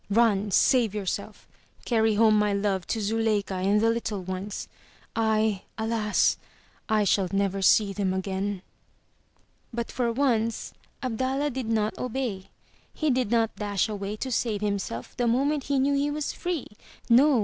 "Run! Save yourself! Carry home my love to Zuleika and the little ones. I — alas ! I shall never see them again.*' But for once, Abdallah did not obey. He did not dash away to save himself the moment he knew he was free. No!